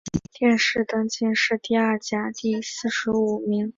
殿试登进士第二甲第四十五名。